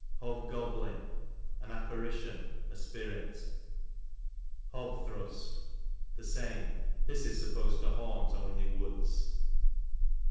Hobgoblin, an apparition, a spirit. Hobthrust, the same ; this is sup posed to haunt only woods.